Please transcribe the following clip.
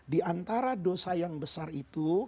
di antara dosa yang besar itu